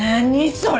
それ。